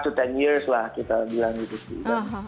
five to ten years lah kita bilang gitu sih